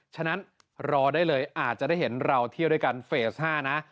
ฉะนั้นรอได้เลยอาจจะได้เห็นเราเที่ยวด้วยกันเฟส๕นะ